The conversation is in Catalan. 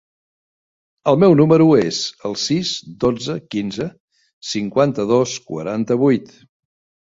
El meu número es el sis, dotze, quinze, cinquanta-dos, quaranta-vuit.